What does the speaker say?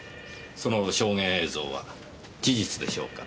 その証言映像は事実でしょうか？